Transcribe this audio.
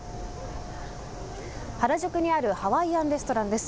原宿にあるハワイアンレストランです。